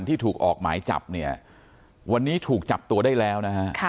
ที่ถูกออกหมายจับเนี่ยวันนี้ถูกจับตัวได้แล้วนะฮะ